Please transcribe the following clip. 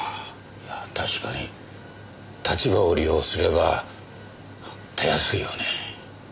確かに立場を利用すればたやすいよね。